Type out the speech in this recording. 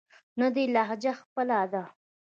نه دې لهجه خپله ده.